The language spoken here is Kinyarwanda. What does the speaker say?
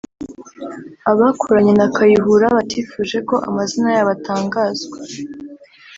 abakoranye na Kayihura batifuje ko amazina yabo atangazwa